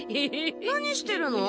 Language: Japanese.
何してるの？